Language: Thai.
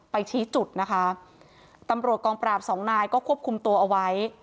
ชี้จุดนะคะตำรวจกองปราบสองนายก็ควบคุมตัวเอาไว้